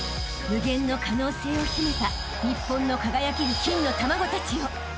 ［無限の可能性を秘めた日本の輝ける金の卵たちよ］